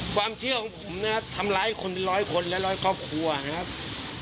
ความเชื่อของผมนะครับทำร้ายคนเป็นร้อยคนและร้อยครอบครัวนะครับ